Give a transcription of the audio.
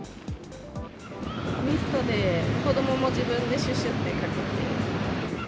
ミストで子どもも自分でしゅっしゅっってかけて。